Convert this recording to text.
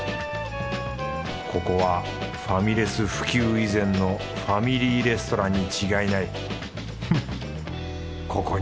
ここはファミレス普及以前のファミリーレストランに違いないフッ。